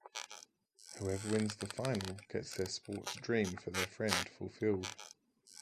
Whoever wins the final gets their sports dream for their friend fulfilled.